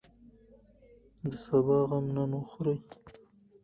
د سبا غم نن وخورئ.